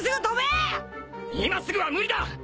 今すぐは無理だ！